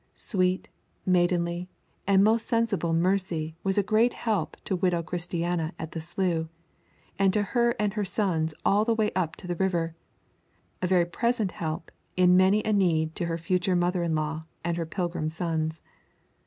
Sweet, maidenly, and most sensible Mercy was a great help to widow Christiana at the slough, and to her and her sons all the way up to the river a very present help in many a need to her future mother in law and her pilgrim sons.